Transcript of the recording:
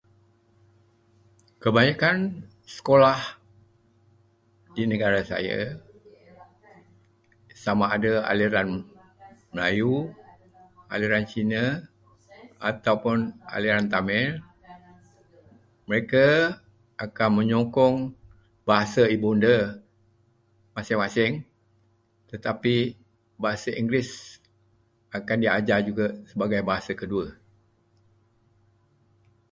Kebanyakan sekolah di negara saya sama ada aliran Melayu, aliran Cina ataupun aliran Tamil, mereka akan menyokong bahasa ibunda masing-masing, tetapi bahasa Inggeris akan diajar juga sebagai bahasa kedua.